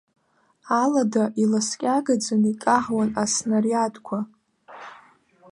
Алада иласкьагаӡаны икаҳуан аснариадқәа.